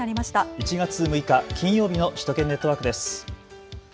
１月６日、金曜日の首都圏ネットワークです。